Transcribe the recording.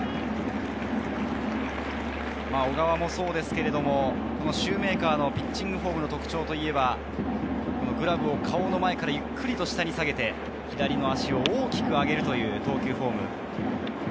小川もそうですけれども、シューメーカーのピッチングフォームの特徴といえば、グラブを顔の前からゆっくりと下に下げて、左の足を大きく上げる投球フォーム。